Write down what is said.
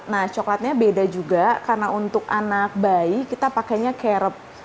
nah coklatnya beda juga karena untuk anak bayi kita pakainya kerep